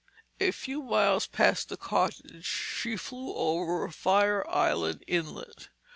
A few miles past the cottage she flew over Fire Island Inlet.